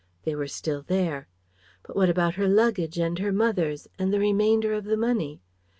They were still there. But what about her luggage and her mother's, and the remainder of the money?